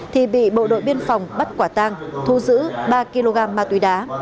thì bị bộ đội biên phòng bắt quả tang thu giữ ba kg ma túy đá